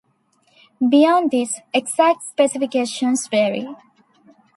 Beyond this, exact specifications vary.